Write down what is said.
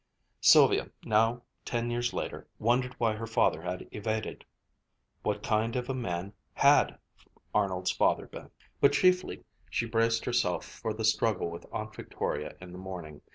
Sylvia now, ten years later, wondered why her father had evaded. What kind of a man had Arnold's father been? But chiefly she braced herself for the struggle with Aunt Victoria in the morning.